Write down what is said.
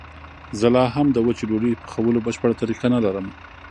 زه لا هم د وچې ډوډۍ پخولو بشپړه طریقه نه لرم.